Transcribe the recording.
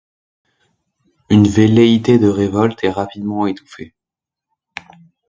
Une velléité de révolte est rapidement étouffée.